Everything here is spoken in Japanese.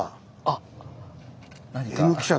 あっ何か。